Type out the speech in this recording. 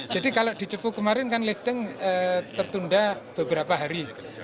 jadi kalau di cepu kemarin kan lifting tertunda beberapa hari